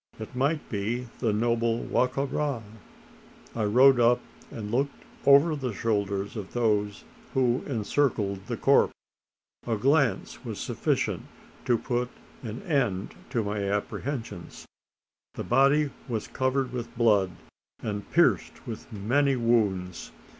It might be the noble Wa ka ra? I rode up, and looked over the shoulders of those who encircled the corpse. A glance was sufficient to put an end to my apprehensions. The body was covered with blood, and pierced with many wounds.